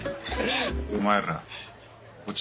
お前らこっち